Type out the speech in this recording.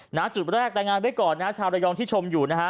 หน้าจุดแรกรายงานไว้ก่อนนะชาวระยองที่ชมอยู่นะฮะ